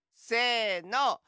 せの！